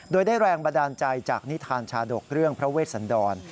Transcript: โดยได้แรงบันดาลใจจากนิทานชาดกเรื่องพระเวชสันดร